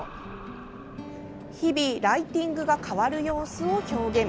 日々ライティングが変わる様子を表現。